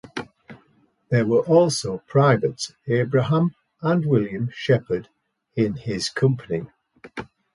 There were also privates Abram and William Sheppard in his company.